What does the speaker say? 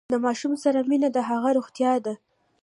د ماشوم سره مینه د هغه روغتیا ده۔